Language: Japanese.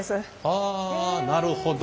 はあなるほど。